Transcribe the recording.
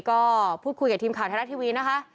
ก็พูดคุยกับทีมข่าวไทยรัฐทีวีนะคะ